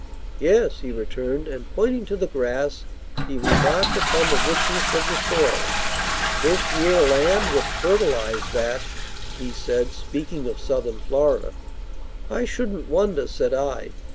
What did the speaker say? "Yes," he returned; and, pointing to the grass, he remarked upon the richness of the soil. "This yere land would fertilize that," he said, speaking of southern Florida. "I shouldn't wonder," said I.